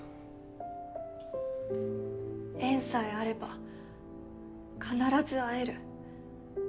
「縁さえあれば必ず会える」。